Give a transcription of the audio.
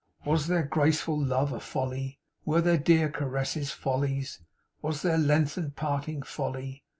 Was their graceful love a folly, were their dear caresses follies, was their lengthened parting folly?